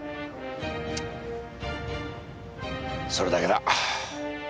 それだけだ。